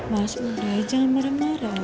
mas udah aja jangan marah marah